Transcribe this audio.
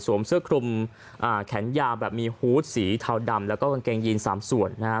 เสื้อคลุมอ่าแขนยาวแบบมีฮูตสีเทาดำแล้วก็กางเกงยีนสามส่วนนะฮะ